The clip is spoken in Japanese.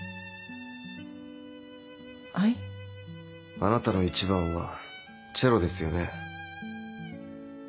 あなたの一番はチェロですよね？